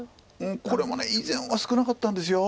これも以前は少なかったんです。